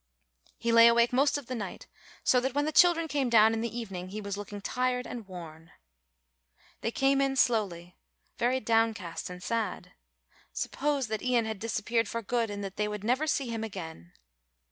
He lay awake most of the night so that when the children came down in the evening he was looking tired and worn. They came in slowly, very downcast and sad. Suppose that Ian had disappeared for good and that they would never see him again!